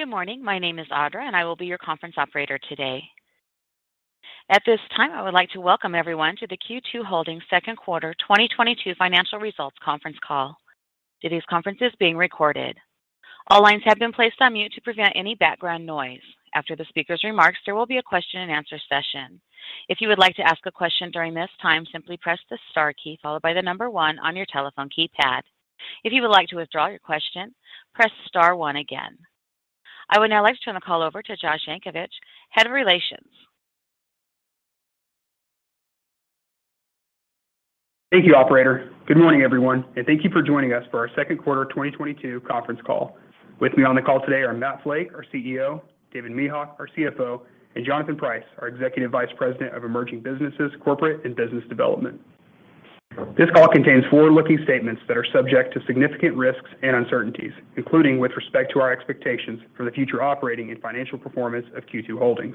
Good morning. My name is Audra, and I will be your conference operator today. At this time, I would like to welcome everyone to the Q2 Holdings second quarter 2022 financial results conference call. Today's conference is being recorded. All lines have been placed on mute to prevent any background noise. After the speaker's remarks, there will be a question and answer session. If you would like to ask a question during this time, simply press the star key followed by the number one on your telephone keypad. If you would like to withdraw your question, press star one again. I would now like to turn the call over to Josh Yankovich, Head of Investor Relations. Thank you, operator. Good morning, everyone, and thank you for joining us for our second quarter 2022 conference call. With me on the call today are Matt Flake, our CEO, David Mehok, our CFO, and Jonathan Price, our Executive Vice President of Emerging Businesses, Corporate and Business Development. This call contains forward-looking statements that are subject to significant risks and uncertainties, including with respect to our expectations for the future operating and financial performance of Q2 Holdings.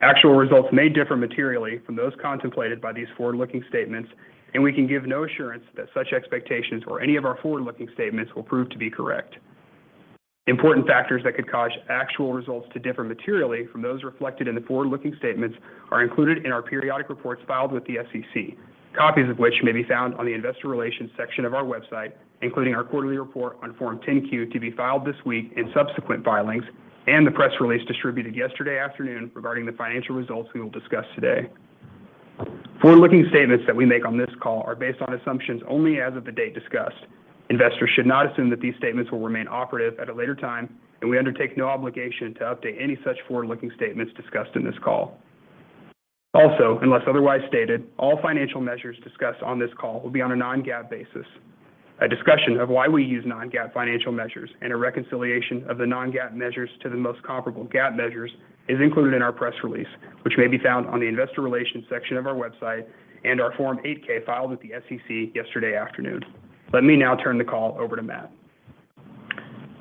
Actual results may differ materially from those contemplated by these forward-looking statements, and we can give no assurance that such expectations or any of our forward-looking statements will prove to be correct. Important factors that could cause actual results to differ materially from those reflected in the forward-looking statements are included in our periodic reports filed with the SEC. Copies of which may be found on the investor relations section of our website, including our quarterly report on Form 10-Q to be filed this week in subsequent filings and the press release distributed yesterday afternoon regarding the financial results we will discuss today. Forward-looking statements that we make on this call are based on assumptions only as of the date discussed. Investors should not assume that these statements will remain operative at a later time, and we undertake no obligation to update any such forward-looking statements discussed in this call. Also, unless otherwise stated, all financial measures discussed on this call will be on a non-GAAP basis. A discussion of why we use non-GAAP financial measures and a reconciliation of the non-GAAP measures to the most comparable GAAP measures is included in our press release, which may be found on the investor relations section of our website and our Form 8-K filed with the SEC yesterday afternoon. Let me now turn the call over to Matt.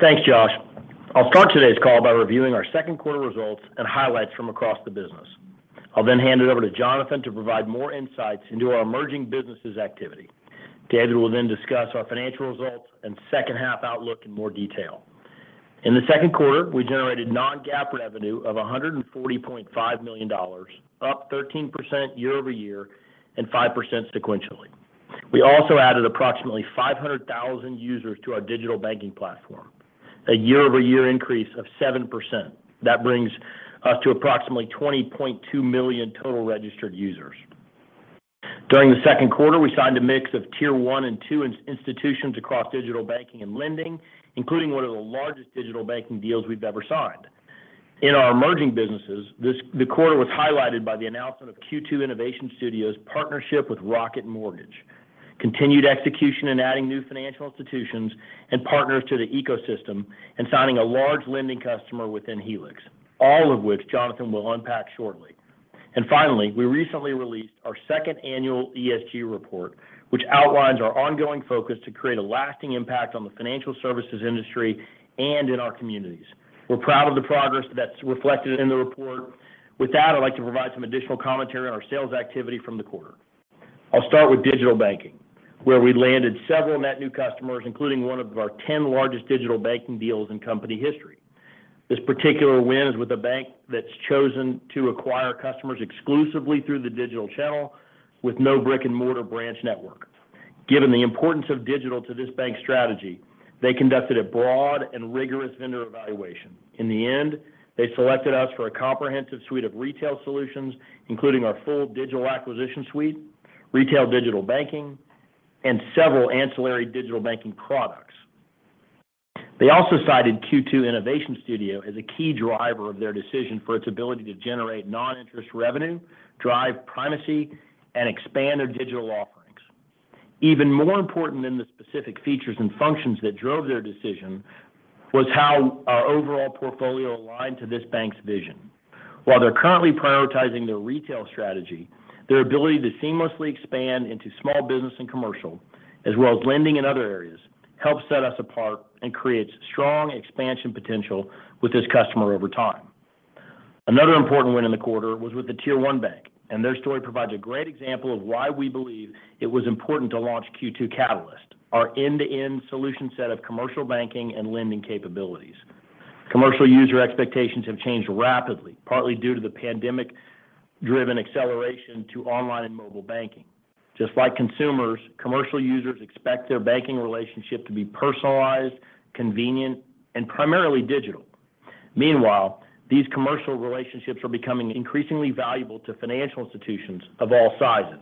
Thanks, Josh. I'll start today's call by reviewing our second quarter results and highlights from across the business. I'll then hand it over to Jonathan to provide more insights into our emerging businesses activity. David will then discuss our financial results and second-half outlook in more detail. In the second quarter, we generated non-GAAP revenue of $140.5 million, up 13% year-over-year and 5% sequentially. We also added approximately 500,000 users to our digital banking platform, a year-over-year increase of 7%. That brings us to approximately 20.2 million total registered users. During the second quarter, we signed a mix of Tier One and Two institutions across digital banking and lending, including one of the largest digital banking deals we've ever signed. In our emerging businesses, the quarter was highlighted by the announcement of Q2 Innovation Studio's partnership with Rocket Mortgage, continued execution in adding new financial institutions and partners to the ecosystem, and signing a large lending customer within Helix, all of which Jonathan will unpack shortly. Finally, we recently released our second annual ESG report, which outlines our ongoing focus to create a lasting impact on the financial services industry and in our communities. We're proud of the progress that's reflected in the report. With that, I'd like to provide some additional commentary on our sales activity from the quarter. I'll start with digital banking, where we landed several net new customers, including one of our 10 largest digital banking deals in company history. This particular win is with a bank that's chosen to acquire customers exclusively through the digital channel with no brick-and-mortar branch network. Given the importance of digital to this bank's strategy, they conducted a broad and rigorous vendor evaluation. In the end, they selected us for a comprehensive suite of retail solutions, including our full digital acquisition suite, retail digital banking, and several ancillary digital banking products. They also cited Q2 Innovation Studio as a key driver of their decision for its ability to generate non-interest revenue, drive primacy, and expand their digital offerings. Even more important than the specific features and functions that drove their decision was how our overall portfolio aligned to this bank's vision. While they're currently prioritizing their retail strategy, their ability to seamlessly expand into small business and commercial, as well as lending in other areas, helped set us apart and creates strong expansion potential with this customer over time. Another important win in the quarter was with the Tier One bank, and their story provides a great example of why we believe it was important to launch Q2 Catalyst, our end-to-end solution set of commercial banking and lending capabilities. Commercial user expectations have changed rapidly, partly due to the pandemic-driven acceleration to online and mobile banking. Just like consumers, commercial users expect their banking relationship to be personalized, convenient, and primarily digital. Meanwhile, these commercial relationships are becoming increasingly valuable to financial institutions of all sizes.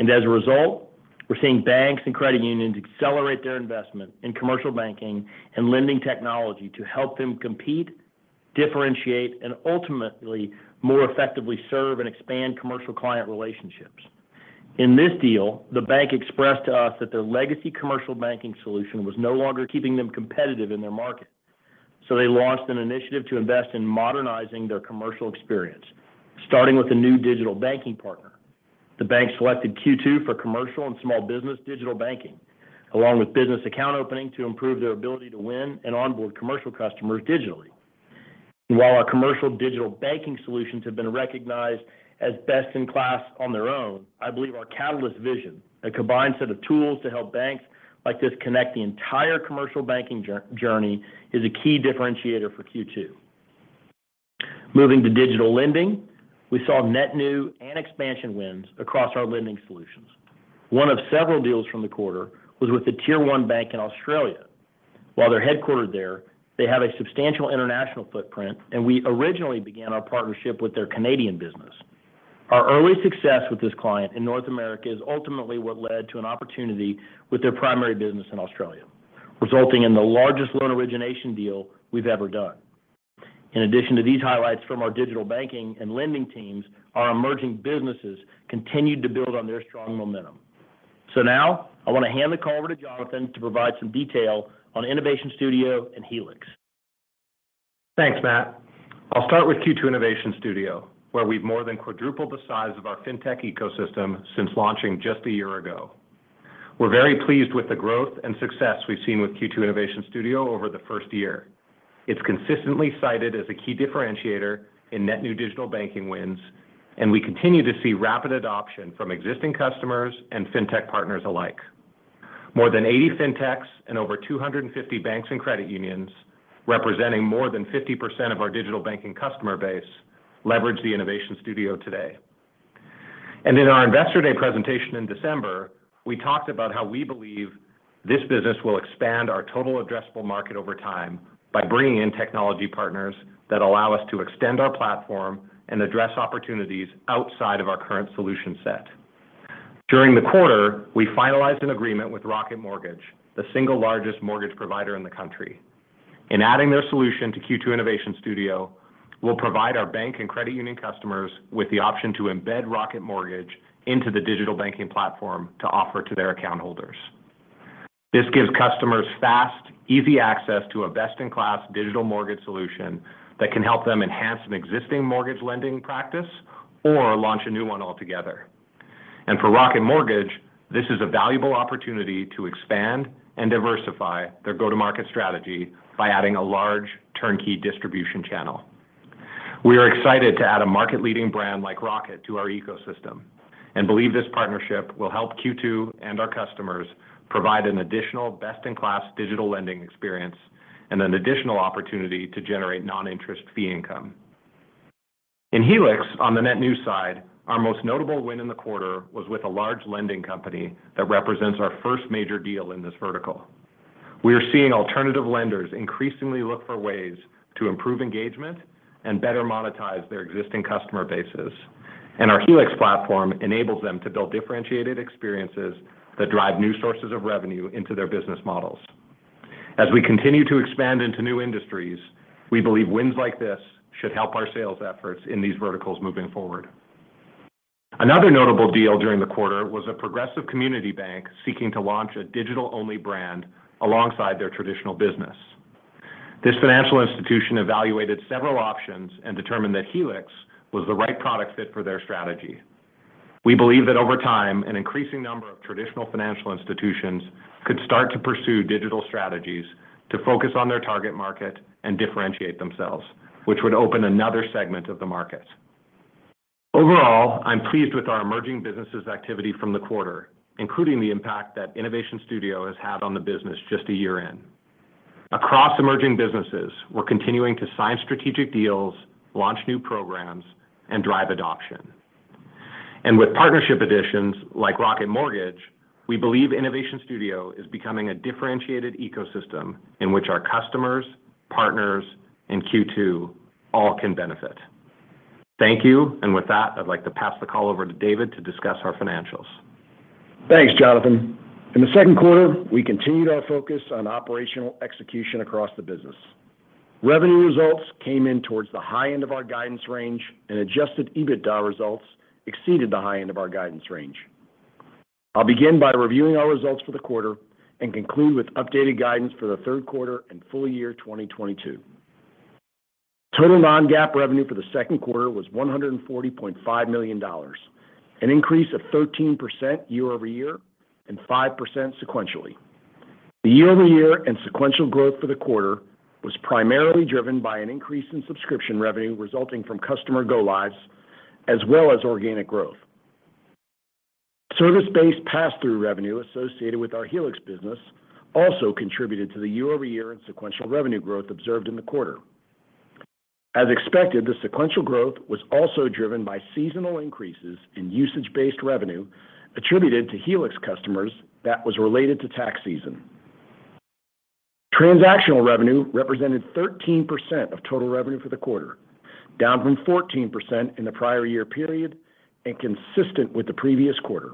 As a result, we're seeing banks and credit unions accelerate their investment in commercial banking and lending technology to help them compete, differentiate, and ultimately more effectively serve and expand commercial client relationships. In this deal, the bank expressed to us that their legacy commercial banking solution was no longer keeping them competitive in their market. They launched an initiative to invest in modernizing their commercial experience, starting with a new digital banking partner. The bank selected Q2 for commercial and small business digital banking, along with business account opening to improve their ability to win and onboard commercial customers digitally. While our commercial digital banking solutions have been recognized as best in class on their own, I believe our Catalyst vision, a combined set of tools to help banks like this connect the entire commercial banking journey, is a key differentiator for Q2. Moving to digital lending, we saw net new and expansion wins across our lending solutions. One of several deals from the quarter was with a tier one bank in Australia. While they're headquartered there, they have a substantial international footprint, and we originally began our partnership with their Canadian business. Our early success with this client in North America is ultimately what led to an opportunity with their primary business in Australia, resulting in the largest loan origination deal we've ever done. In addition to these highlights from our digital banking and lending teams, our emerging businesses continued to build on their strong momentum. Now I want to hand the call over to Jonathan to provide some detail on Innovation Studio and Helix. Thanks, Matt. I'll start with Q2 Innovation Studio, where we've more than quadrupled the size of our fintech ecosystem since launching just a year ago. We're very pleased with the growth and success we've seen with Q2 Innovation Studio over the first year. It's consistently cited as a key differentiator in net new digital banking wins, and we continue to see rapid adoption from existing customers and fintech partners alike. More than 80 fintechs and over 250 banks and credit unions, representing more than 50% of our digital banking customer base, leverage the Innovation Studio today. In our Investor Day presentation in December, we talked about how we believe this business will expand our total addressable market over time by bringing in technology partners that allow us to extend our platform and address opportunities outside of our current solution set. During the quarter, we finalized an agreement with Rocket Mortgage, the single largest mortgage provider in the country. In adding their solution to Q2 Innovation Studio, we'll provide our bank and credit union customers with the option to embed Rocket Mortgage into the digital banking platform to offer to their account holders. This gives customers fast, easy access to a best-in-class digital mortgage solution that can help them enhance an existing mortgage lending practice or launch a new one altogether. For Rocket Mortgage, this is a valuable opportunity to expand and diversify their go-to-market strategy by adding a large turnkey distribution channel. We are excited to add a market-leading brand like Rocket to our ecosystem and believe this partnership will help Q2 and our customers provide an additional best-in-class digital lending experience and an additional opportunity to generate non-interest fee income. In Helix, on the net new side, our most notable win in the quarter was with a large lending company that represents our first major deal in this vertical. We are seeing alternative lenders increasingly look for ways to improve engagement and better monetize their existing customer bases. Our Helix platform enables them to build differentiated experiences that drive new sources of revenue into their business models. As we continue to expand into new industries, we believe wins like this should help our sales efforts in these verticals moving forward. Another notable deal during the quarter was a progressive community bank seeking to launch a digital-only brand alongside their traditional business. This financial institution evaluated several options and determined that Helix was the right product fit for their strategy. We believe that over time, an increasing number of traditional financial institutions could start to pursue digital strategies to focus on their target market and differentiate themselves, which would open another segment of the market. Overall, I'm pleased with our emerging businesses activity from the quarter, including the impact that Innovation Studio has had on the business just a year in. Across emerging businesses, we're continuing to sign strategic deals, launch new programs, and drive adoption. With partnership additions like Rocket Mortgage, we believe Innovation Studio is becoming a differentiated ecosystem in which our customers, partners, and Q2 all can benefit. Thank you, and with that, I'd like to pass the call over to David to discuss our financials. Thanks, Jonathan. In the second quarter, we continued our focus on operational execution across the business. Revenue results came in towards the high end of our guidance range, and adjusted EBITDA results exceeded the high end of our guidance range. I'll begin by reviewing our results for the quarter and conclude with updated guidance for the third quarter and full year 2022. Total non-GAAP revenue for the second quarter was $140.5 million, an increase of 13% year-over-year and 5% sequentially. The year-over-year and sequential growth for the quarter was primarily driven by an increase in subscription revenue resulting from customer go lives as well as organic growth. Service-based passthrough revenue associated with our Helix business also contributed to the year-over-year and sequential revenue growth observed in the quarter. As expected, the sequential growth was also driven by seasonal increases in usage-based revenue attributed to Helix customers that was related to tax season. Transactional revenue represented 13% of total revenue for the quarter, down from 14% in the prior year period and consistent with the previous quarter.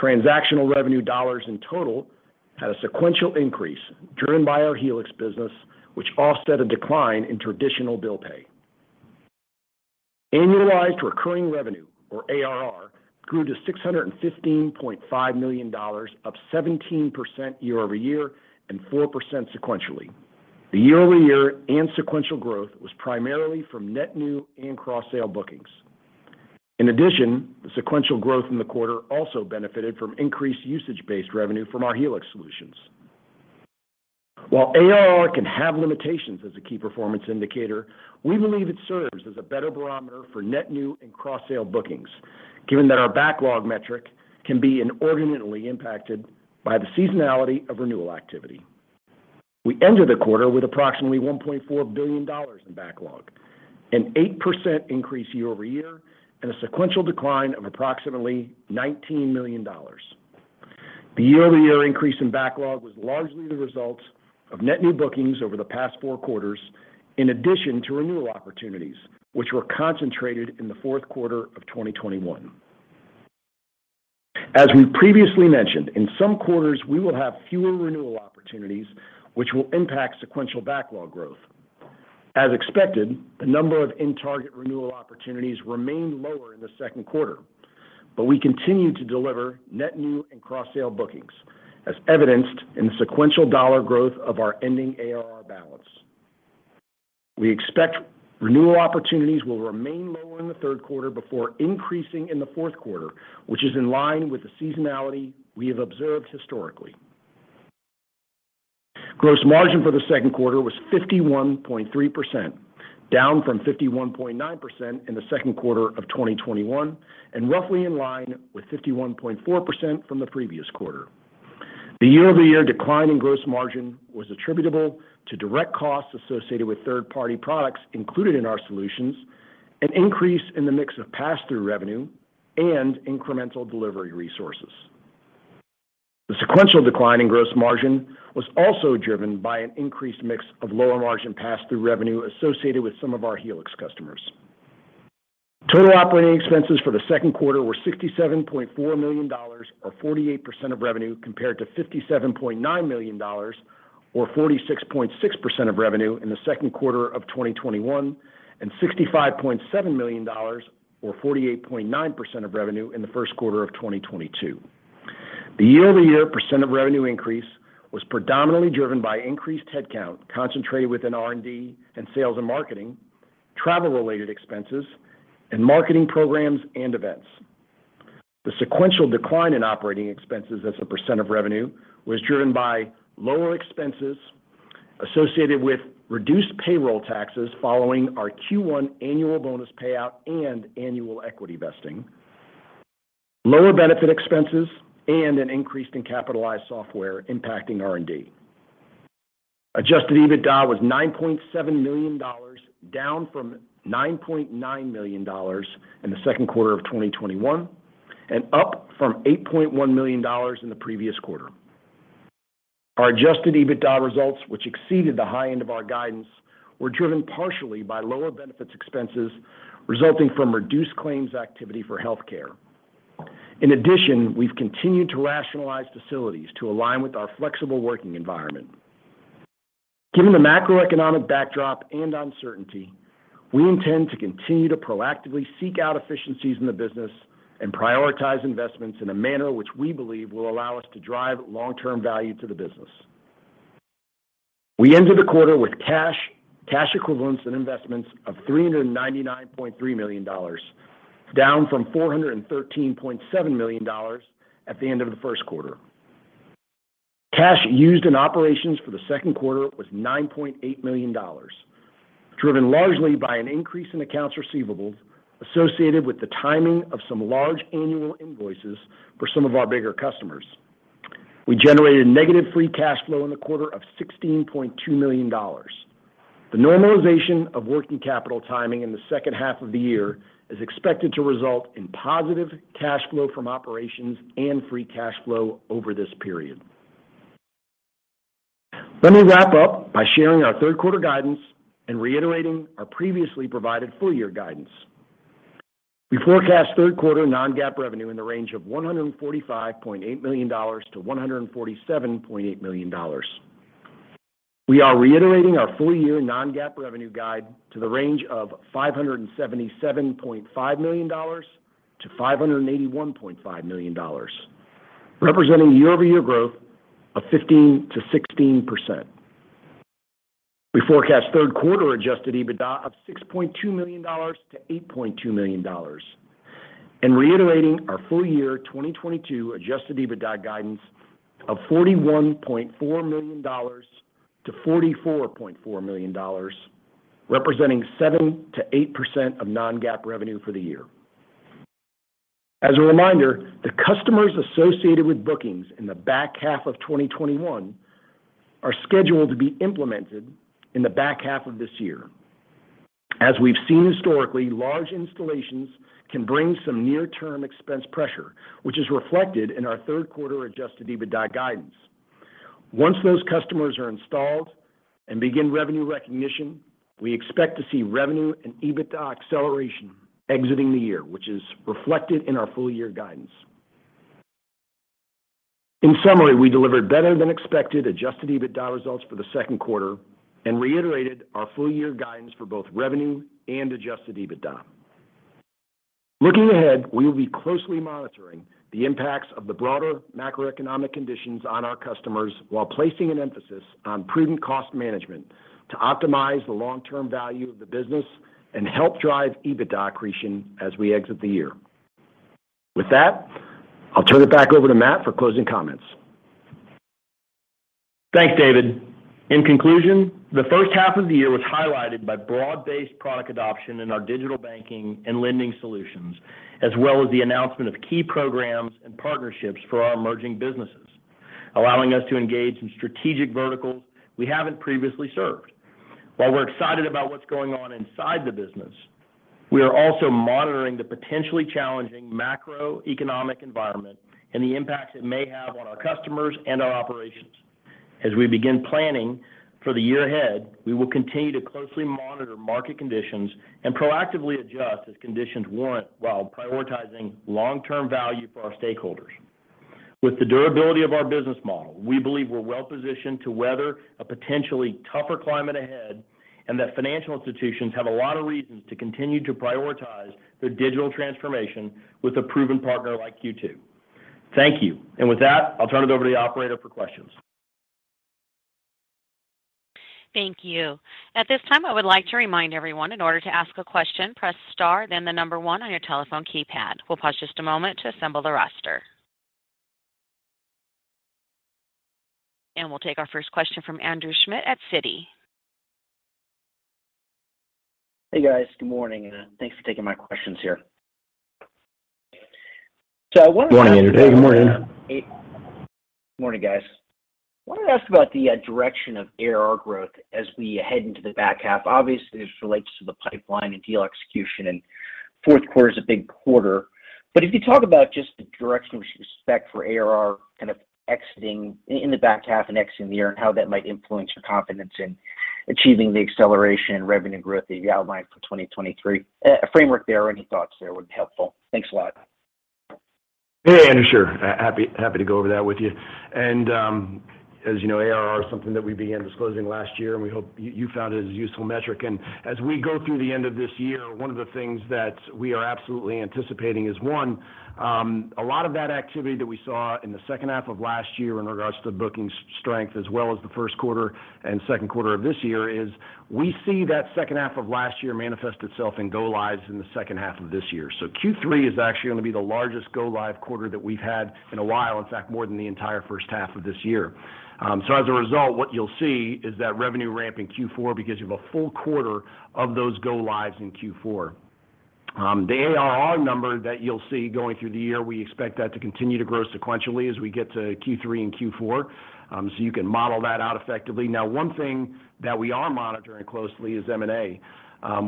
Transactional revenue dollars in total had a sequential increase driven by our Helix business, which offset a decline in traditional bill pay. Annualized recurring revenue or ARR grew to $615.5 million, up 17% year-over-year and 4% sequentially. The year-over-year and sequential growth was primarily from net new and cross-sale bookings. In addition, the sequential growth in the quarter also benefited from increased usage-based revenue from our Helix solutions. While ARR can have limitations as a key performance indicator, we believe it serves as a better barometer for net new and cross-sale bookings, given that our backlog metric can be inordinately impacted by the seasonality of renewal activity. We ended the quarter with approximately $1.4 billion in backlog, an 8% increase year over year, and a sequential decline of approximately $19 million. The year-over-year increase in backlog was largely the result of net new bookings over the past four quarters in addition to renewal opportunities, which were concentrated in the fourth quarter of 2021. As we previously mentioned, in some quarters, we will have fewer renewal opportunities, which will impact sequential backlog growth. As expected, the number of in-target renewal opportunities remained lower in the second quarter, but we continued to deliver net new and cross-sale bookings, as evidenced in the sequential dollar growth of our ending ARR balance. We expect renewal opportunities will remain lower in the third quarter before increasing in the fourth quarter, which is in line with the seasonality we have observed historically. Gross margin for the second quarter was 51.3%, down from 51.9% in the second quarter of 2021, and roughly in line with 51.4% from the previous quarter. The year-over-year decline in gross margin was attributable to direct costs associated with third-party products included in our solutions, an increase in the mix of pass-through revenue, and incremental delivery resources. The sequential decline in gross margin was also driven by an increased mix of lower margin pass-through revenue associated with some of our Helix customers. Total operating expenses for the second quarter were $67.4 million, or 48% of revenue, compared to $57.9 million, or 46.6% of revenue in the second quarter of 2021, and $65.7 million, or 48.9% of revenue in the first quarter of 2022. The year-over-year percent of revenue increase was predominantly driven by increased headcount concentrated within R&D and sales and marketing, travel-related expenses, and marketing programs and events. The sequential decline in operating expenses as a % of revenue was driven by lower expenses associated with reduced payroll taxes following our Q1 annual bonus payout and annual equity vesting, lower benefit expenses, and an increase in capitalized software impacting R&D. Adjusted EBITDA was $9.7 million, down from $9.9 million in the second quarter of 2021, and up from $8.1 million in the previous quarter. Our adjusted EBITDA results, which exceeded the high end of our guidance, were driven partially by lower benefits expenses resulting from reduced claims activity for healthcare. In addition, we've continued to rationalize facilities to align with our flexible working environment. Given the macroeconomic backdrop and uncertainty, we intend to continue to proactively seek out efficiencies in the business and prioritize investments in a manner which we believe will allow us to drive long-term value to the business. We ended the quarter with cash equivalents, and investments of $399.3 million, down from $413.7 million at the end of the first quarter. Cash used in operations for the second quarter was $9.8 million, driven largely by an increase in accounts receivables associated with the timing of some large annual invoices for some of our bigger customers. We generated negative free cash flow in the quarter of $16.2 million. The normalization of working capital timing in the second half of the year is expected to result in positive cash flow from operations and free cash flow over this period. Let me wrap up by sharing our third quarter guidance and reiterating our previously provided full-year guidance. We forecast third quarter non-GAAP revenue in the range of $145.8 million-$147.8 million. We are reiterating our full-year non-GAAP revenue guide to the range of $577.5 million-$581.5 million, representing year-over-year growth of 15%-16%. We forecast third quarter adjusted EBITDA of $6.2 million-$8.2 million and reiterating our full-year 2022 adjusted EBITDA guidance of $41.4 million-$44.4 million, representing 7%-8% of non-GAAP revenue for the year. As a reminder, the customers associated with bookings in the back half of 2021 are scheduled to be implemented in the back half of this year. As we've seen historically, large installations can bring some near-term expense pressure, which is reflected in our third quarter adjusted EBITDA guidance. Once those customers are installed and begin revenue recognition, we expect to see revenue and EBITDA acceleration exiting the year, which is reflected in our full-year guidance. In summary, we delivered better-than-expected adjusted EBITDA results for the second quarter and reiterated our full-year guidance for both revenue and adjusted EBITDA. Looking ahead, we will be closely monitoring the impacts of the broader macroeconomic conditions on our customers while placing an emphasis on prudent cost management to optimize the long-term value of the business and help drive EBITDA accretion as we exit the year. With that, I'll turn it back over to Matt for closing comments. Thanks, David. In conclusion, the first half of the year was highlighted by broad-based product adoption in our digital banking and lending solutions, as well as the announcement of key programs and partnerships for our emerging businesses, allowing us to engage in strategic verticals we haven't previously served. While we're excited about what's going on inside the business, we are also monitoring the potentially challenging macroeconomic environment and the impact it may have on our customers and our operations. As we begin planning for the year ahead, we will continue to closely monitor market conditions and proactively adjust as conditions warrant, while prioritizing long-term value for our stakeholders. With the durability of our business model, we believe we're well-positioned to weather a potentially tougher climate ahead, and that financial institutions have a lot of reasons to continue to prioritize their digital transformation with a proven partner like Q2. Thank you. With that, I'll turn it over to the operator for questions. Thank you. At this time, I would like to remind everyone, in order to ask a question, press star then the number one on your telephone keypad. We'll pause just a moment to assemble the roster. We'll take our first question from Andrew Schmidt at Citi. Hey, guys. Good morning, and thanks for taking my questions here. I wanted to ask about. Good morning, Andrew. Hey. Morning, guys. Wanted to ask about the direction of ARR growth as we head into the back half. Obviously, this relates to the pipeline and deal execution, and fourth quarter is a big quarter. If you talk about just the direction we should expect for ARR kind of exiting in the back half and exiting the year and how that might influence your confidence in achieving the acceleration in revenue growth that you've outlined for 2023. A framework there or any thoughts there would be helpful. Thanks a lot. Hey, Andrew. Sure. Happy to go over that with you. As you know, ARR is something that we began disclosing last year, and we hope you found it as a useful metric. As we go through the end of this year, one of the things that we are absolutely anticipating is a lot of that activity that we saw in the second half of last year in regards to booking strength, as well as the first quarter and second quarter of this year. We see that second half of last year manifest itself in go-lives in the second half of this year. Q3 is actually going to be the largest go-live quarter that we've had in a while, in fact, more than the entire first half of this year. As a result, what you'll see is that revenue ramp in Q4 because you have a full quarter of those go-lives in Q4. The ARR number that you'll see going through the year, we expect that to continue to grow sequentially as we get to Q3 and Q4. You can model that out effectively. Now, one thing that we are monitoring closely is M&A.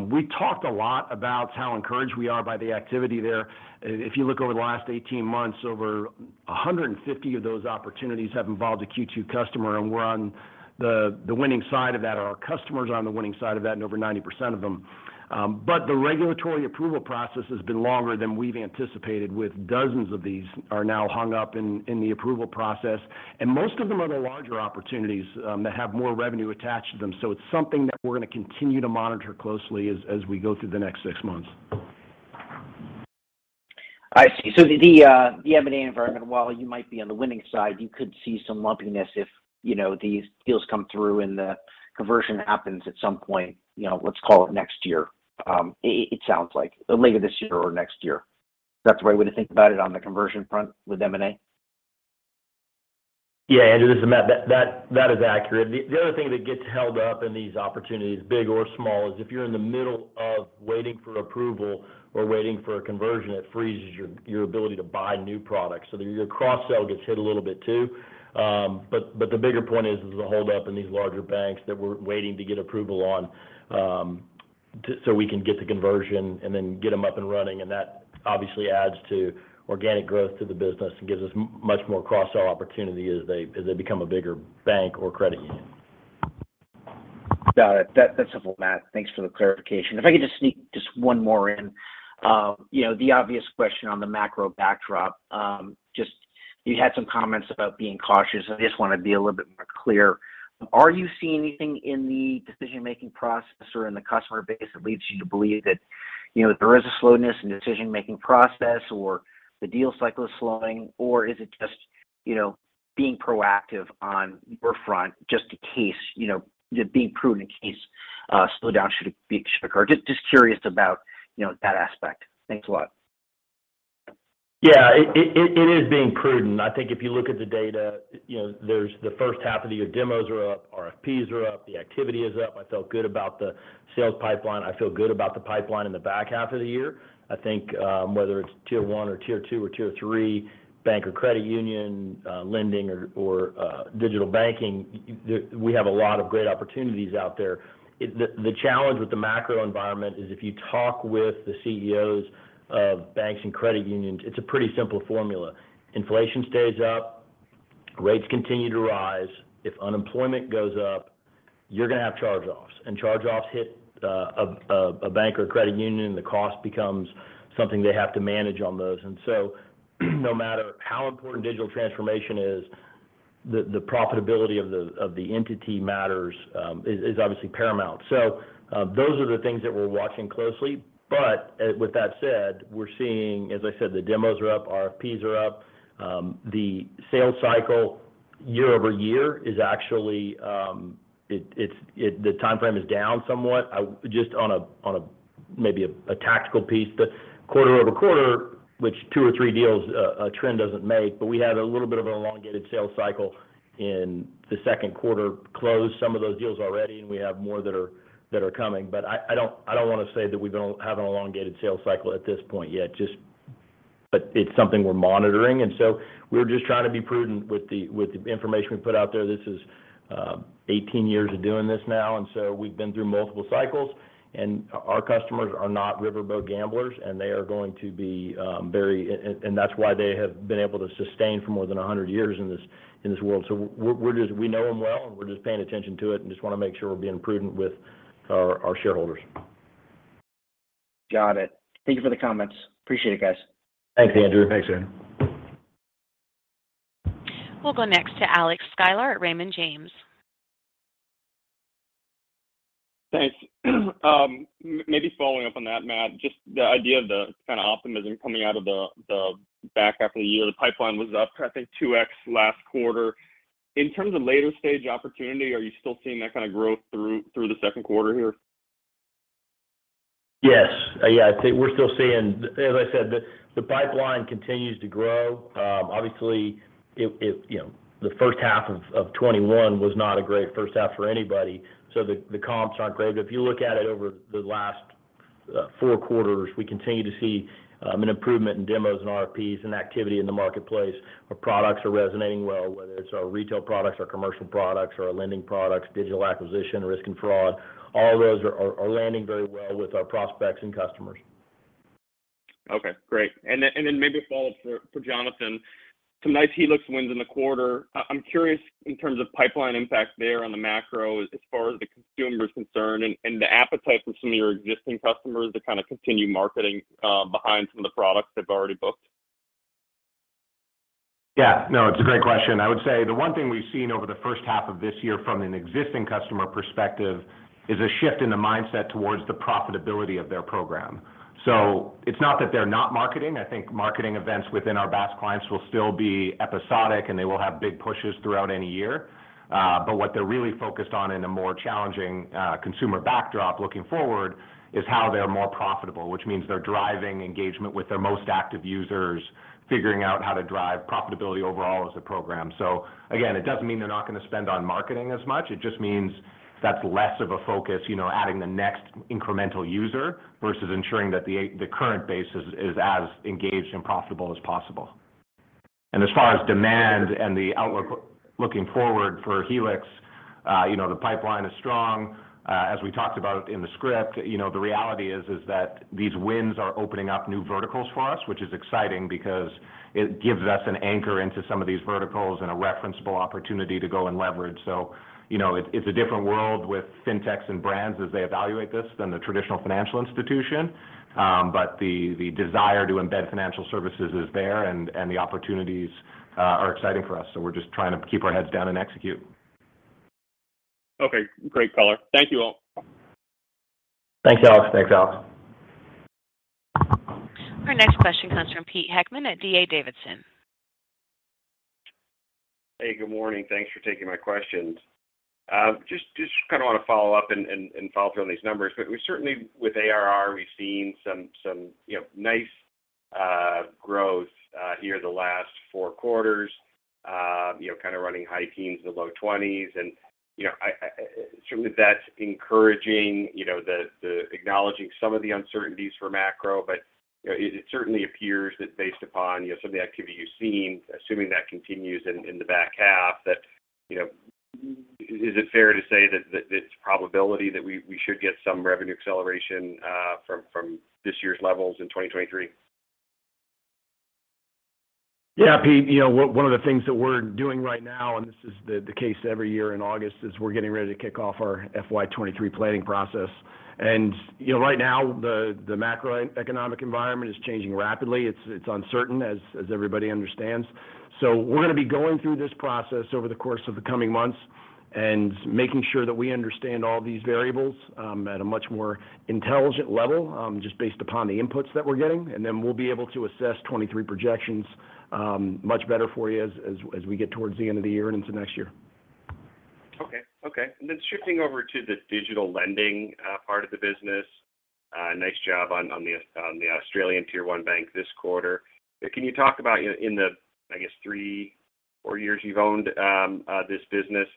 We talked a lot about how encouraged we are by the activity there. If you look over the last 18 months, over 150 of those opportunities have involved a Q2 customer, and we're on the winning side of that. Our customers are on the winning side of that, and over 90% of them. The regulatory approval process has been longer than we've anticipated, with dozens of these are now hung up in the approval process. Most of them are the larger opportunities that have more revenue attached to them. It's something that we're going to continue to monitor closely as we go through the next six months. I see. The M&A environment, while you might be on the winning side, you could see some lumpiness if, you know, these deals come through and the conversion happens at some point, you know, let's call it next year, it sounds like. Later this year or next year. Is that the right way to think about it on the conversion front with M&A? Yeah, Andrew. This is Matt. That is accurate. The other thing that gets held up in these opportunities, big or small, is if you're in the middle of waiting for approval or waiting for a conversion, it freezes your ability to buy new products. Your cross-sell gets hit a little bit too. The bigger point is the hold up in these larger banks that we're waiting to get approval on, so we can get the conversion and then get them up and running. That obviously adds to organic growth to the business and gives us much more cross-sell opportunity as they become a bigger bank or credit union. Got it. That's helpful, Matt. Thanks for the clarification. If I could just sneak just one more in. You know, the obvious question on the macro backdrop, just you had some comments about being cautious. I just want to be a little bit more clear. Are you seeing anything in the decision-making process or in the customer base that leads you to believe that, you know, there is a slowness in the decision-making process, or the deal cycle is slowing, or is it just, you know, being proactive on your front just in case, you know, being prudent in case a slowdown should occur? Just curious about, you know, that aspect. Thanks a lot. Yeah. It is being prudent. I think if you look at the data, you know, there's the first half of the year, demos are up, RFPs are up, the activity is up. I felt good about the sales pipeline. I feel good about the pipeline in the back half of the year. I think whether it's tier one or tier two or tier three, bank or credit union, lending or digital banking, we have a lot of great opportunities out there. The challenge with the macro environment is if you talk with the CEOs of banks and credit unions, it's a pretty simple formula. Inflation stays up, rates continue to rise. If unemployment goes up, you're going to have charge-offs, and charge-offs hit a bank or a credit union, the cost becomes something they have to manage on those. No matter how important digital transformation is, the profitability of the entity matters, is obviously paramount. Those are the things that we're watching closely. With that said, we're seeing, as I said, the demos are up, RFPs are up. The sales cycle year-over-year is actually the timeframe is down somewhat. Just on a maybe a tactical piece. Quarter-over-quarter, which two or three deals a trend doesn't make. We had a little bit of an elongated sales cycle in the second quarter, closed some of those deals already, and we have more that are coming. I don't wanna say that we have an elongated sales cycle at this point yet. It's something we're monitoring. We're just trying to be prudent with the information we put out there. This is 18 years of doing this now, and so we've been through multiple cycles. Our customers are not riverboat gamblers, and that's why they have been able to sustain for more than 100 years in this world. We know them well, and we're just paying attention to it and just wanna make sure we're being prudent with our shareholders. Got it. Thank you for the comments. Appreciate it, guys. Thanks, Andrew. Thanks, Andrew. We'll go next to Alexander Sklar at Raymond James. Thanks. Maybe following up on that, Matt, just the idea of the kinda optimism coming out of the back half of the year. The pipeline was up, I think, 2x last quarter. In terms of later stage opportunity, are you still seeing that kind of growth through the second quarter here? Yes. Yeah, I think we're still seeing. As I said, the pipeline continues to grow. Obviously, the first half of 2021 was not a great first half for anybody, so the comps aren't great. If you look at it over the last four quarters, we continue to see an improvement in demos and RFPs and activity in the marketplace. Our products are resonating well, whether it's our retail products, our commercial products, our lending products, digital acquisition, risk and fraud. All those are landing very well with our prospects and customers. Okay, great. Maybe a follow-up for Jonathan. Some nice Helix wins in the quarter. I'm curious in terms of pipeline impact there on the macro as far as the consumer's concerned and the appetite from some of your existing customers to kind of continue marketing behind some of the products they've already booked. Yeah. No, it's a great question. I would say the one thing we've seen over the first half of this year from an existing customer perspective is a shift in the mindset towards the profitability of their program. It's not that they're not marketing. I think marketing events within our BaaS clients will still be episodic, and they will have big pushes throughout any year. But what they're really focused on in a more challenging consumer backdrop looking forward is how they're more profitable, which means they're driving engagement with their most active users, figuring out how to drive profitability overall as a program. It doesn't mean they're not gonna spend on marketing as much. It just means that's less of a focus, you know, adding the next incremental user versus ensuring that the current base is as engaged and profitable as possible. As far as demand and the outlook looking forward for Helix, you know, the pipeline is strong. As we talked about in the script, you know, the reality is that these wins are opening up new verticals for us, which is exciting because it gives us an anchor into some of these verticals and a referenceable opportunity to go and leverage. You know, it's a different world with fintechs and brands as they evaluate this than the traditional financial institution. The desire to embed financial services is there, and the opportunities are exciting for us. We're just trying to keep our heads down and execute. Okay, great color. Thank you all. Thanks, Alex. Thanks, Alex. Our next question comes from Peter Heckmann at D.A. Davidson. Hey, good morning. Thanks for taking my questions. Just kinda wanna follow up and follow through on these numbers. We certainly, with ARR, we've seen some you know nice growth here the last four quarters. You know, kinda running high teens to low twenties. Certainly that's encouraging, you know, acknowledging some of the uncertainties for macro. You know, it certainly appears that based upon you know some of the activity you've seen, assuming that continues in the back half, that you know is it fair to say that this probability that we should get some revenue acceleration from this year's levels in 2023? Yeah, Pete, you know, one of the things that we're doing right now, and this is the case every year in August, is we're getting ready to kick off our FY 2023 planning process. You know, right now, the macroeconomic environment is changing rapidly. It's uncertain, as everybody understands. We're gonna be going through this process over the course of the coming months and making sure that we understand all these variables at a much more intelligent level just based upon the inputs that we're getting. Then we'll be able to assess 2023 projections much better for you as we get towards the end of the year and into next year. Shifting over to the digital lending part of the business. Nice job on the Australian Tier 1 bank this quarter. Can you talk about, you know, in the I guess three or four years you've owned this business,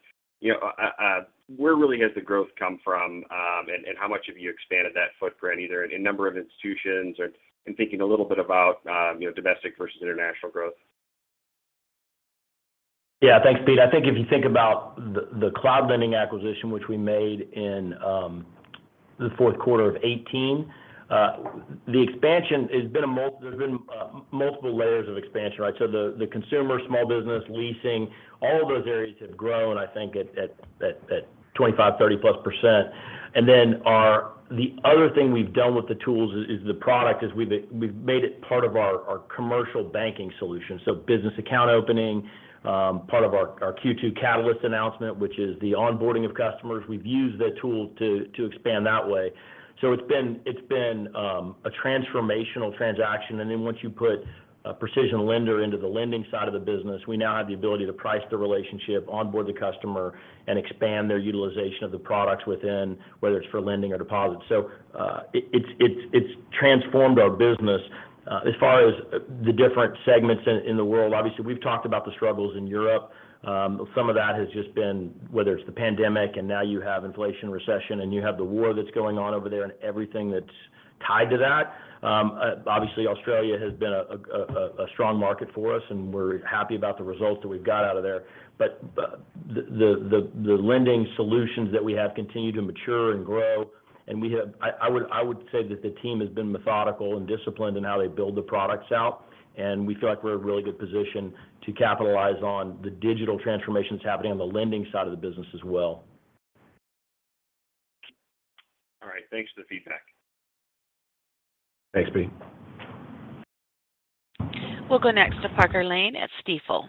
you know, where really has the growth come from, and how much have you expanded that footprint, either in number of institutions or in thinking a little bit about, you know, domestic versus international growth? Yeah. Thanks, Pete. I think if you think about the Cloud Lending acquisition, which we made in the fourth quarter of 2018, the expansion has been. There's been multiple layers of expansion, right? The consumer, small business, leasing, all of those areas have grown, I think, at 25-30+%. The other thing we've done with the tools is the product. We've made it part of our commercial banking solution. Business account opening, part of our Q2 Catalyst announcement, which is the onboarding of customers. We've used the tool to expand that way. It's been a transformational transaction. Once you put a PrecisionLender into the lending side of the business, we now have the ability to price the relationship, onboard the customer, and expand their utilization of the products within, whether it's for lending or deposits. It's transformed our business. As far as the different segments in the world, obviously, we've talked about the struggles in Europe. Some of that has just been whether it's the pandemic, and now you have inflation, recession, and you have the war that's going on over there and everything that's tied to that. Obviously, Australia has been a strong market for us, and we're happy about the results that we've got out of there. The lending solutions that we have continue to mature and grow. I would say that the team has been methodical and disciplined in how they build the products out, and we feel like we're in a really good position to capitalize on the digital transformations happening on the lending side of the business as well. All right. Thanks for the feedback. Thanks, Pete. We'll go next to Parker Lane at Stifel.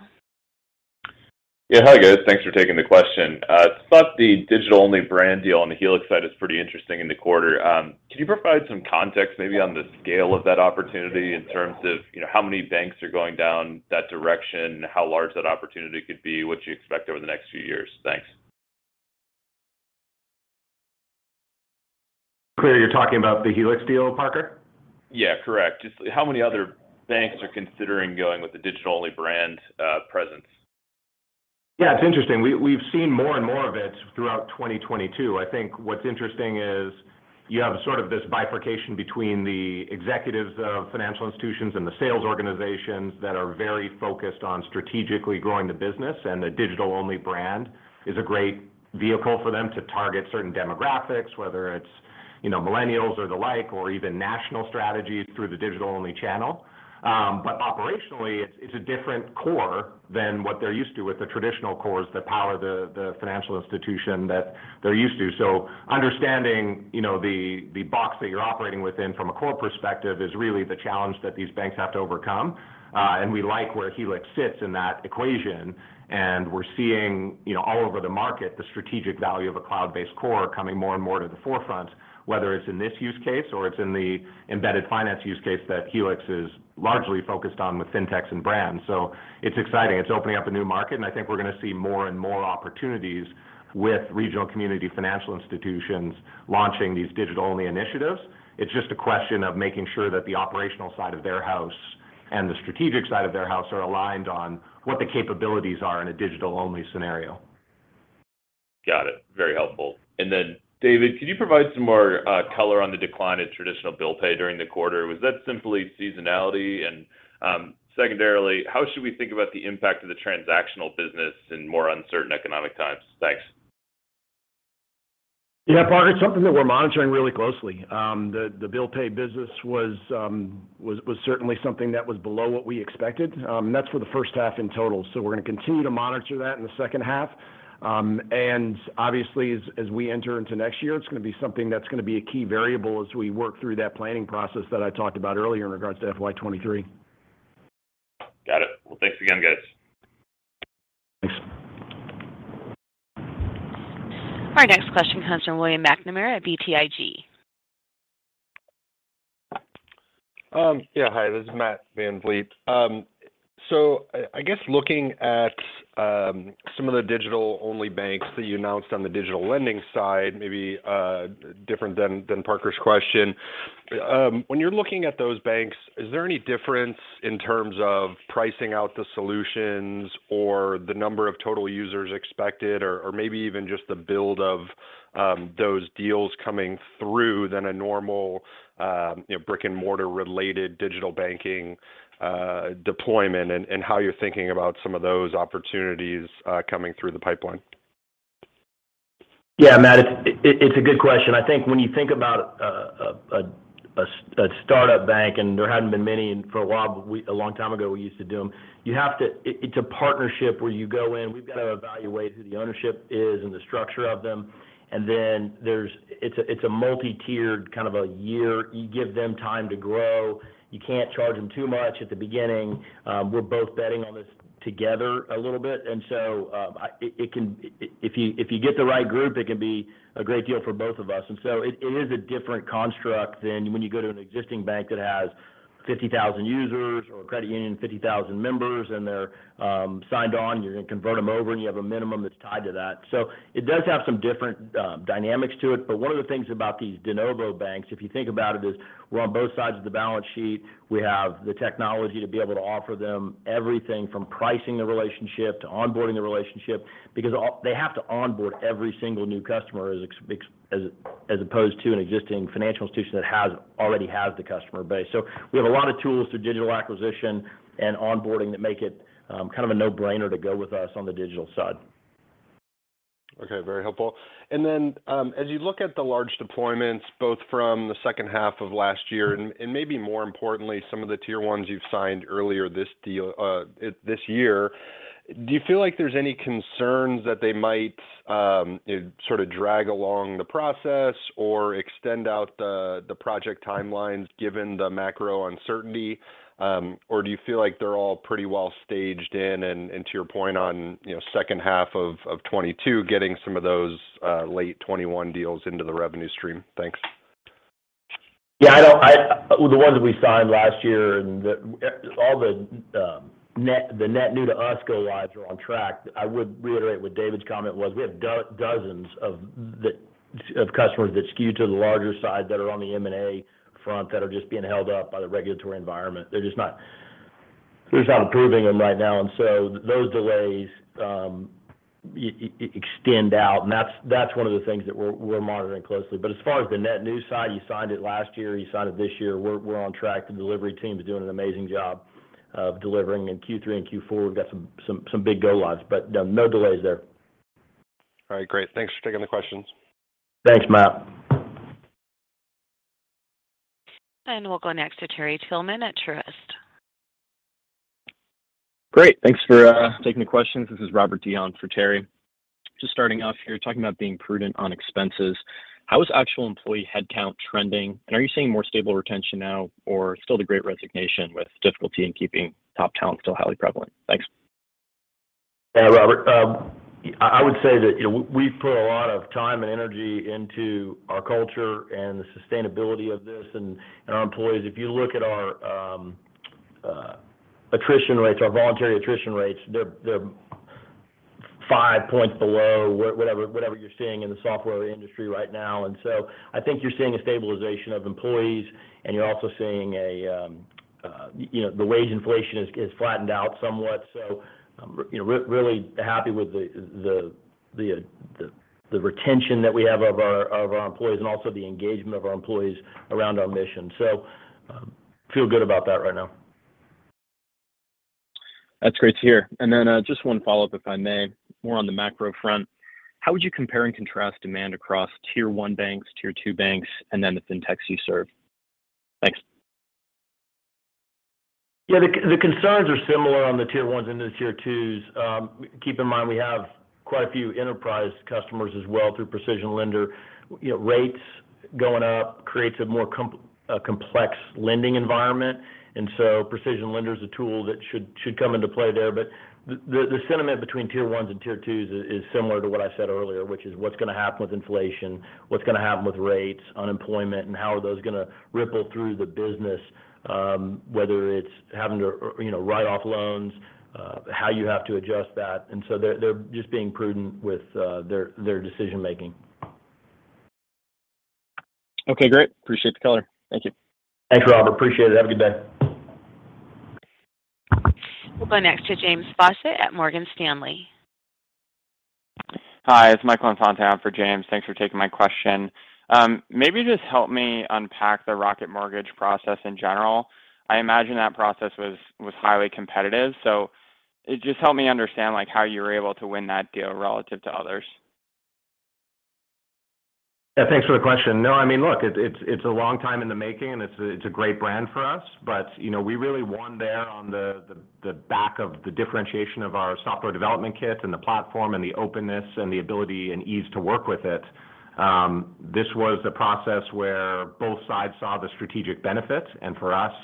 Yeah. Hi, guys. Thanks for taking the question. I thought the digital-only brand deal on the Helix side is pretty interesting in the quarter. Can you provide some context maybe on the scale of that opportunity in terms of, you know, how many banks are going down that direction, how large that opportunity could be, what you expect over the next few years? Thanks. So, you're talking about the Helix deal, Parker? Yeah, correct. Just how many other banks are considering going with the digital-only brand, presence? Yeah, it's interesting. We've seen more and more of it throughout 2022. I think what's interesting is you have sort of this bifurcation between the executives of financial institutions and the sales organizations that are very focused on strategically growing the business, and the digital-only brand is a great vehicle for them to target certain demographics, whether it's, you know, millennials or the like, or even national strategies through the digital-only channel. But operationally, it's a different core than what they're used to with the traditional cores that power the financial institution that they're used to. Understanding, you know, the box that you're operating within from a core perspective is really the challenge that these banks have to overcome. We like where Helix sits in that equation, and we're seeing, you know, all over the market the strategic value of a cloud-based core coming more and more to the forefront, whether it's in this use case or it's in the embedded finance use case that Helix is largely focused on with fintechs and brands. It's exciting. It's opening up a new market, and I think we're going to see more and more opportunities with regional community financial institutions launching these digital-only initiatives. It's just a question of making sure that the operational side of their house and the strategic side of their house are aligned on what the capabilities are in a digital-only scenario. Got it. Very helpful. David, could you provide some more color on the decline in traditional bill pay during the quarter? Was that simply seasonality? Secondarily, how should we think about the impact of the transactional business in more uncertain economic times? Thanks. Yeah, Parker. It's something that we're monitoring really closely. The bill pay business was certainly something that was below what we expected. That's for the first half in total. We're gonna continue to monitor that in the second half. Obviously as we enter into next year, it's gonna be something that's gonna be a key variable as we work through that planning process that I talked about earlier in regards to FY 2023. Got it. Well, thanks again, guys. Thanks. Our next question comes from William McNamara at BTIG. Hi, this is Matt VanVliet. I guess looking at some of the digital-only banks that you announced on the digital lending side, maybe different than Parker's question. When you're looking at those banks, is there any difference in terms of pricing out the solutions or the number of total users expected or maybe even just the build of those deals coming through than a normal, you know, brick-and-mortar related digital banking deployment and how you're thinking about some of those opportunities coming through the pipeline? Yeah, Matt, it's a good question. I think when you think about a startup bank, and there hadn't been many in for a while, but a long time ago, we used to do them. You have to. It's a partnership where you go in, we've got to evaluate who the ownership is and the structure of them. It's a multi-tiered kind of a year. You give them time to grow. You can't charge them too much at the beginning. We're both betting on this together a little bit. It can. If you get the right group, it can be a great deal for both of us. It is a different construct than when you go to an existing bank that has 50,000 users or a credit union, 50,000 members, and they're signed on, you're gonna convert them over, and you have a minimum that's tied to that. It does have some different dynamics to it. One of the things about these de novo banks, if you think about it, is we're on both sides of the balance sheet. We have the technology to be able to offer them everything from pricing the relationship to onboarding the relationship because they have to onboard every single new customer as opposed to an existing financial institution that already has the customer base. We have a lot of tools through digital acquisition and onboarding that make it kind of a no-brainer to go with us on the digital side. Okay. Very helpful. Then, as you look at the large deployments, both from the second half of last year and, maybe more importantly, some of the tier ones you've signed earlier this year. Do you feel like there's any concerns that they might it sort of drag along the process or extend out the project timelines given the macro uncertainty? Or do you feel like they're all pretty well staged in, and to your point on, you know, second half of 2022, getting some of those late 2021 deals into the revenue stream? Thanks. Yeah. The ones that we signed last year and all the net new to us go-lives are on track. I would reiterate what David's comment was. We have dozens of customers that skew to the larger side that are on the M&A front that are just being held up by the regulatory environment. They're just not approving them right now. Those delays extend out, and that's one of the things that we're monitoring closely. As far as the net new side, you signed it last year, you signed it this year, we're on track. The delivery team is doing an amazing job of delivering in Q3 and Q4. We've got some big go-lives, but no delays there. All right. Great. Thanks for taking the questions. Thanks, Matt. We'll go next to Terry Tillman at Truist. Great. Thanks for taking the questions. This is Robert Dion for Terry Tillman. Just starting off here, talking about being prudent on expenses, how is actual employee headcount trending? And are you seeing more stable retention now or still the Great Resignation with difficulty in keeping top talent still highly prevalent? Thanks. Yeah, Robert. I would say that, you know, we've put a lot of time and energy into our culture and the sustainability of this and our employees. If you look at our attrition rates, our voluntary attrition rates, they're five points below whatever you're seeing in the software industry right now. I think you're seeing a stabilization of employees, and you're also seeing a, you know, the wage inflation is flattened out somewhat. Really happy with the retention that we have of our employees and also the engagement of our employees around our mission. Feel good about that right now. That's great to hear. Just one follow-up, if I may. More on the macro front, how would you compare and contrast demand across tier one banks, tier two banks, and then the fintechs you serve? Thanks. Yeah. The concerns are similar on the tier ones and the tier twos. Keep in mind we have quite a few enterprise customers as well through PrecisionLender. You know, rates going up creates a more complex lending environment, and so PrecisionLender is a tool that should come into play there. But the sentiment between tier ones and tier twos is similar to what I said earlier, which is what's gonna happen with inflation, what's gonna happen with rates, unemployment, and how are those gonna ripple through the business, whether it's having to, you know, write off loans, how you have to adjust that. They're just being prudent with their decision-making. Okay, great. Appreciate the color. Thank you. Thanks, Robert. Appreciate it. Have a good day. We'll go next to James Faucette at Morgan Stanley. Hi, it's Michael Infante for James Faucette. Thanks for taking my question. Maybe just help me unpack the Rocket Mortgage process in general. I imagine that process was highly competitive, so just help me understand like how you were able to win that deal relative to others. Yeah. Thanks for the question. No, I mean, look, it's a long time in the making, and it's a great brand for us. You know, we really won there on the back of the differentiation of our software development kit and the platform and the openness and the ability and ease to work with it. This was a process where both sides saw the strategic benefits. For us,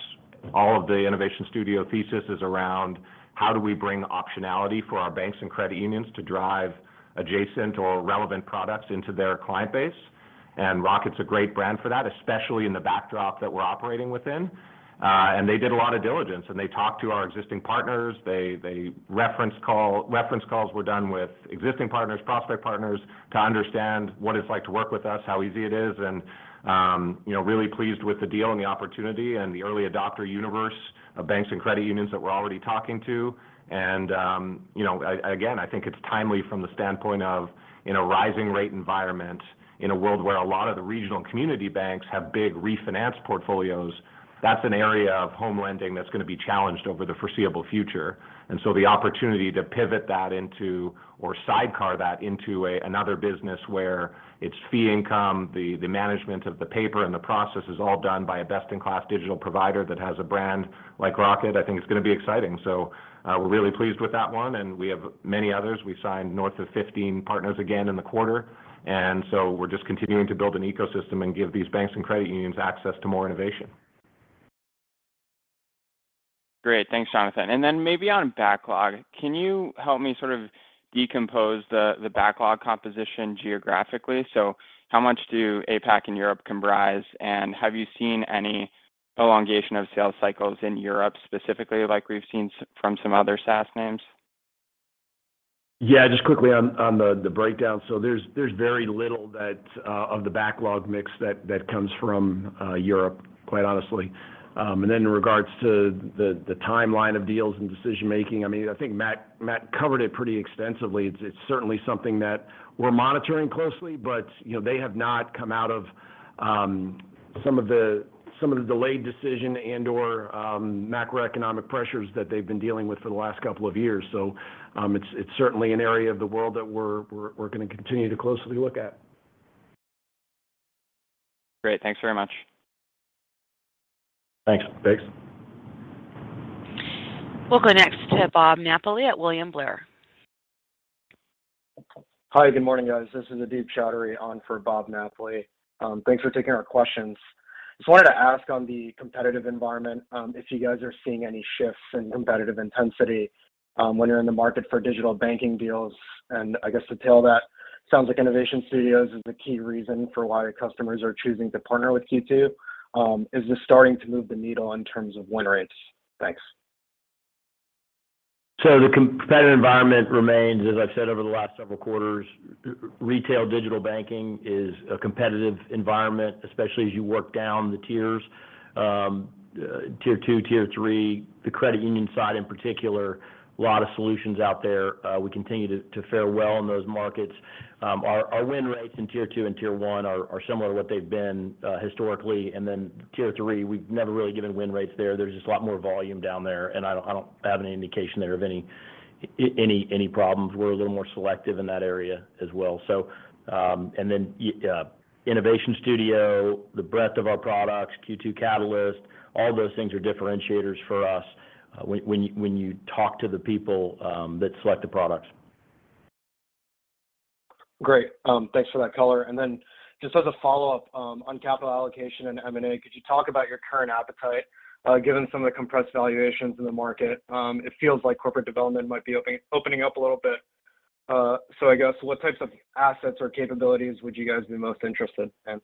all of the innovation studio thesis is around how do we bring optionality for our banks and credit unions to drive adjacent or relevant products into their client base. Rocket's a great brand for that, especially in the backdrop that we're operating within. They did a lot of diligence, and they talked to our existing partners. Reference calls were done with existing partners, prospective partners to understand what it's like to work with us, how easy it is, and, you know, really pleased with the deal and the opportunity and the early adopter universe of banks and credit unions that we're already talking to. You know, again, I think it's timely from the standpoint of in a rising rate environment, in a world where a lot of the regional and community banks have big refinance portfolios, that's an area of home lending that's gonna be challenged over the foreseeable future. The opportunity to pivot that into or sidecar that into another business where it's fee income, the management of the paper and the process is all done by a best-in-class digital provider that has a brand like Rocket, I think it's gonna be exciting. We're really pleased with that one, and we have many others. We signed north of 15 partners again in the quarter, and so we're just continuing to build an ecosystem and give these banks and credit unions access to more innovation. Great. Thanks, Jonathan. Maybe on backlog, can you help me sort of decompose the backlog composition geographically? How much do APAC and Europe comprise, and have you seen any elongation of sales cycles in Europe specifically like we've seen from some other SaaS names? Yeah. Just quickly on the breakdown. There's very little of the backlog mix that comes from Europe, quite honestly. Then in regards to the timeline of deals and decision-making, I mean, I think Matt covered it pretty extensively. It's certainly something that we're monitoring closely, but you know, they have not come out of some of the delayed decision and/or macroeconomic pressures that they've been dealing with for the last couple of years. It's certainly an area of the world that we're gonna continue to closely look at. Great. Thanks very much. Thanks. We'll go next to Bob Napoli at William Blair. Hi, good morning, guys. This is Adib Choudhury on for Bob Napoli. Thanks for taking our questions. Just wanted to ask on the competitive environment, if you guys are seeing any shifts in competitive intensity, when you're in the market for digital banking deals, and I guess to tail that, sounds like Innovation Studio is the key reason for why your customers are choosing to partner with Q2. Is this starting to move the needle in terms of win rates? Thanks. The competitive environment remains, as I've said over the last several quarters, retail digital banking is a competitive environment, especially as you work down the tiers. Tier two, tier three, the credit union side in particular, a lot of solutions out there. We continue to fare well in those markets. Our win rates in tier two and tier one are similar to what they've been historically. Tier three, we've never really given win rates there. There's just a lot more volume down there, and I don't have any indication there of any problems. We're a little more selective in that area as well. Innovation Studio, the breadth of our products, Q2 Catalyst, all those things are differentiators for us when you talk to the people that select the products. Great. Thanks for that color. Just as a follow-up, on capital allocation and M&A, could you talk about your current appetite, given some of the compressed valuations in the market? It feels like corporate development might be opening up a little bit. I guess what types of assets or capabilities would you guys be most interested in?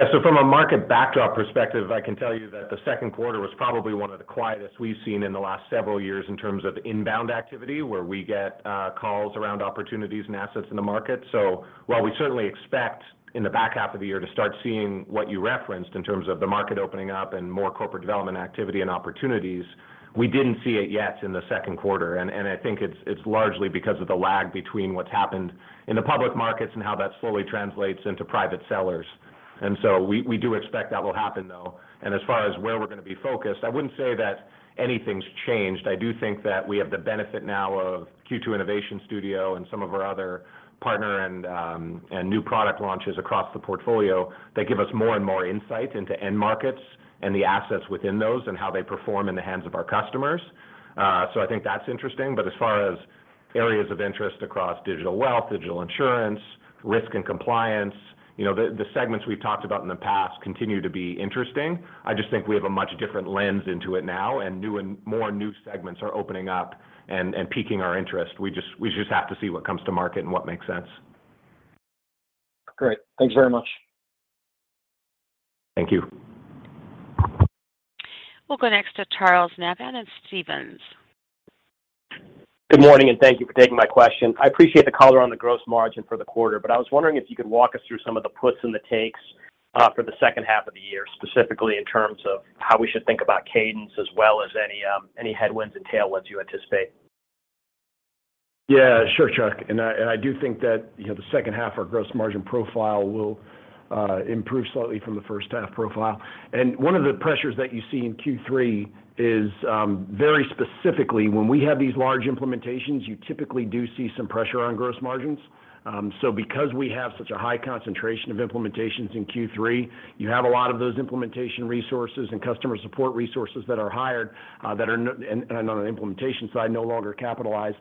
Yeah. From a market backdrop perspective, I can tell you that the second quarter was probably one of the quietest we've seen in the last several years in terms of inbound activity, where we get calls around opportunities and assets in the market. While we certainly expect in the back half of the year to start seeing what you referenced in terms of the market opening up and more corporate development activity and opportunities, we didn't see it yet in the second quarter. I think it's largely because of the lag between what's happened in the public markets and how that slowly translates into private sellers. We do expect that will happen, though. As far as where we're going to be focused, I wouldn't say that anything's changed. I do think that we have the benefit now of Q2 Innovation Studio and some of our other partners and new product launches across the portfolio that give us more and more insight into end markets and the assets within those and how they perform in the hands of our customers. I think that's interesting. As far as areas of interest across digital wealth, digital insurance, risk and compliance, you know, the segments we've talked about in the past continue to be interesting. I just think we have a much different lens into it now, and new and more segments are opening up and piquing our interest. We just have to see what comes to market and what makes sense. Great. Thanks very much. Thank you. We'll go next to Charles Nabhan at Stephens. Good morning, and thank you for taking my question. I appreciate the color on the gross margin for the quarter, but I was wondering if you could walk us through some of the puts and the takes for the second half of the year, specifically in terms of how we should think about cadence as well as any headwinds and tailwinds you anticipate? Yeah, sure, Chuck. I do think that, you know, the second half, our gross margin profile will improve slightly from the first half profile. One of the pressures that you see in Q3 is very specifically, when we have these large implementations, you typically do see some pressure on gross margins. Because we have such a high concentration of implementations in Q3, you have a lot of those implementation resources and customer support resources that are hired, and on an implementation side, no longer capitalized,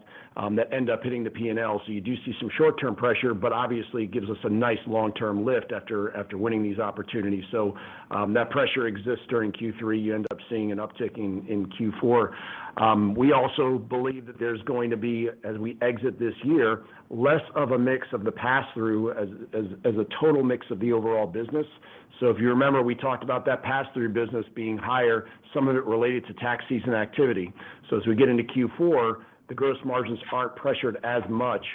that end up hitting the P&L. You do see some short-term pressure, but obviously it gives us a nice long-term lift after winning these opportunities. That pressure exists during Q3. You end up seeing an uptick in Q4. We also believe that there's going to be, as we exit this year, less of a mix of the pass-through as a total mix of the overall business. If you remember, we talked about that pass-through business being higher, some of it related to tax season activity. As we get into Q4, the gross margins aren't pressured as much,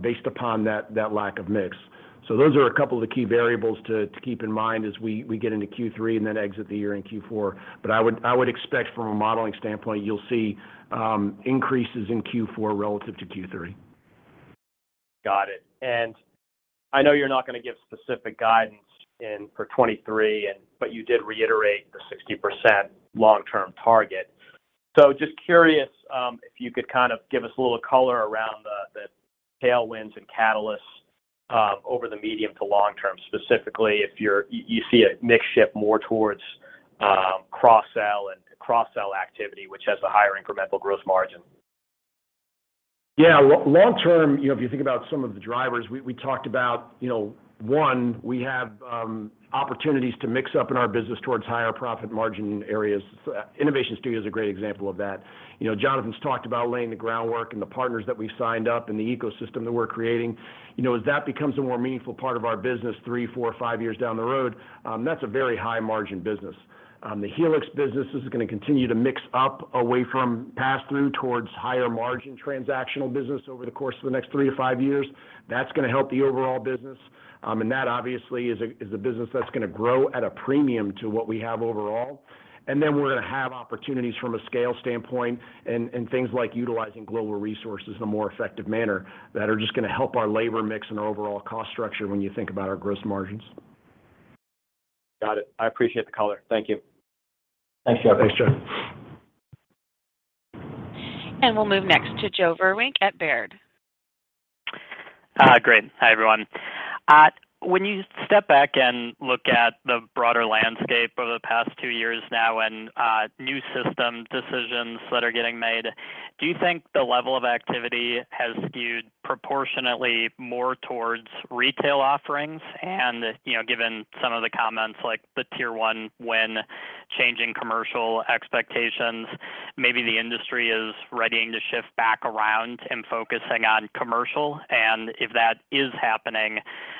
based upon that lack of mix. Those are a couple of the key variables to keep in mind as we get into Q3 and then exit the year in Q4. I would expect from a modeling standpoint, you'll see increases in Q4 relative to Q3. Got it. I know you're not going to give specific guidance for 2023, but you did reiterate the 60% long-term target. Just curious, if you could kind of give us a little color around the tailwinds and catalysts over the medium to long term, specifically if you see a mix shift more towards cross-sell activity, which has a higher incremental gross margin. Yeah. Long term, you know, if you think about some of the drivers, we talked about, you know, one, we have opportunities to mix up in our business towards higher profit margin areas. Innovation Studio is a great example of that. You know, Jonathan's talked about laying the groundwork and the partners that we've signed up and the ecosystem that we're creating. You know, as that becomes a more meaningful part of our business three, four, five years down the road, that's a very high margin business. The Helix business is going to continue to mix up away from passthrough towards higher margin transactional business over the course of the next three to five years. That's going to help the overall business. That obviously is a business that's going to grow at a premium to what we have overall. We're going to have opportunities from a scale standpoint and things like utilizing global resources in a more effective manner that are just going to help our labor mix and overall cost structure when you think about our gross margins. Got it. I appreciate the color. Thank you. Thanks, Chuck. We'll move next to Joe Vruwink at Baird. Great. Hi, everyone. When you step back and look at the broader landscape over the past two years now and new system decisions that are getting made, do you think the level of activity has skewed proportionately more towards retail offerings? You know, given some of the comments like the Tier 1 win changing commercial expectations, maybe the industry is readying to shift back around and focusing on commercial. If that is happening,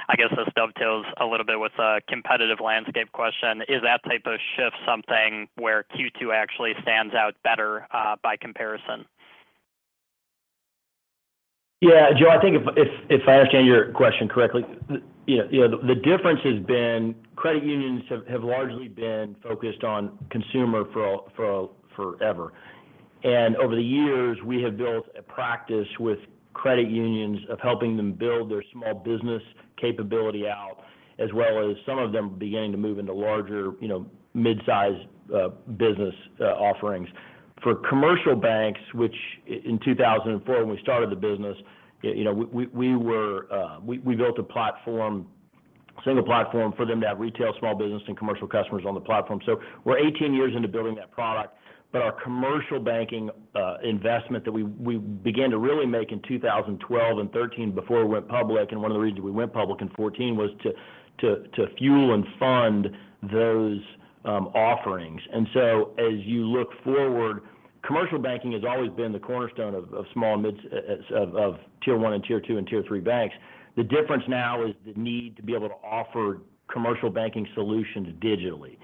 I guess this dovetails a little bit with a competitive landscape question, is that type of shift something where Q2 actually stands out better by comparison? Yeah. Joe, I think if I understand your question correctly, you know, the difference has been credit unions have largely been focused on consumer forever. Over the years, we have built a practice with credit unions of helping them build their small business capability out, as well as some of them beginning to move into larger, you know, mid-size business offerings. For commercial banks, which in 2004 when we started the business, you know, we built a single platform for them to have retail, small business, and commercial customers on the platform. We're 18 years into building that product. Our commercial banking investment that we began to really make in 2012 and 2013 before we went public, and one of the reasons we went public in 2014 was to fuel and fund those offerings. As you look forward, commercial banking has always been the cornerstone of small and mid-size Tier 1 and Tier 2 and Tier 3 banks. The difference now is the need to be able to offer commercial banking solutions digitally.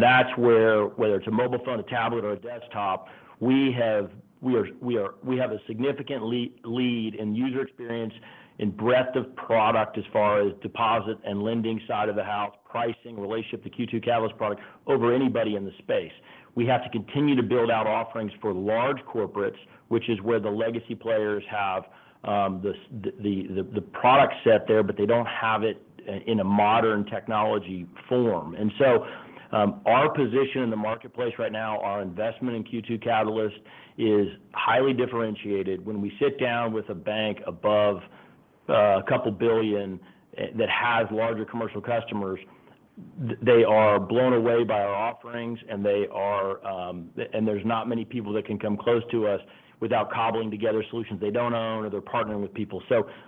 That's where, whether it's a mobile phone, a tablet, or a desktop, we have a significant lead in user experience, in breadth of product as far as deposit and lending side of the house, pricing, relationship to Q2 Catalyst product over anybody in the space. We have to continue to build out offerings for large corporates, which is where the legacy players have the product set there, but they don't have it in a modern technology form. Our position in the marketplace right now, our investment in Q2 Catalyst is highly differentiated. When we sit down with a bank above 2 billion that has larger commercial customers, they are blown away by our offerings, and there's not many people that can come close to us without cobbling together solutions they don't own or they're partnering with people.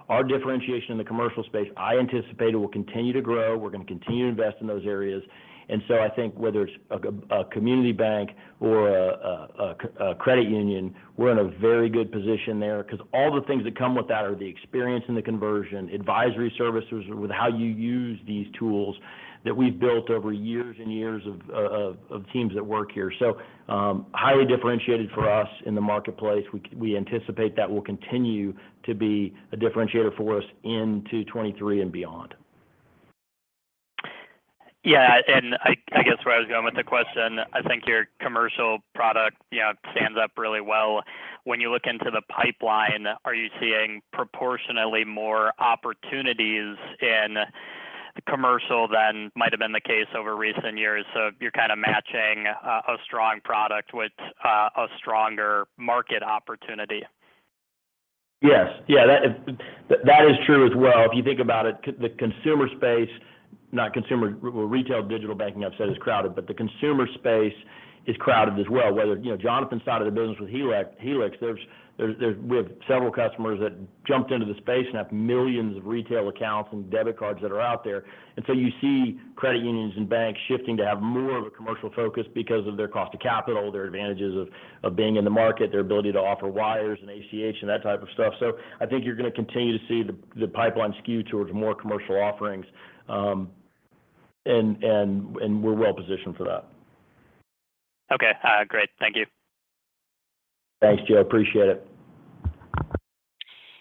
Our differentiation in the commercial space, I anticipate it will continue to grow. We're gonna continue to invest in those areas. I think whether it's a community bank or a credit union, we're in a very good position there because all the things that come with that are the experience in the conversion, advisory services with how you use these tools that we've built over years and years of teams that work here. Highly differentiated for us in the marketplace. We anticipate that will continue to be a differentiator for us into 2023 and beyond. Yeah. I guess where I was going with the question, I think your commercial product, you know, stands up really well. When you look into the pipeline, are you seeing proportionately more opportunities in commercial than might have been the case over recent years? You're kinda matching a strong product with a stronger market opportunity. Yes. Yeah. That is true as well. If you think about it, the consumer space, not consumer. Well, retail digital banking I've said is crowded, but the consumer space is crowded as well. Whether, you know, Jonathan's side of the business with Helix, there we have several customers that jumped into the space and have millions of retail accounts and debit cards that are out there. You see credit unions and banks shifting to have more of a commercial focus because of their cost to capital, their advantages of being in the market, their ability to offer wires and ACH and that type of stuff. I think you're gonna continue to see the pipeline skew towards more commercial offerings, and we're well-positioned for that. Okay. Great. Thank you. Thanks, Joe. Appreciate it.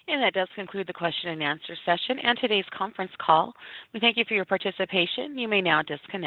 That does conclude the question and answer session and today's conference call. We thank you for your participation. You may now disconnect.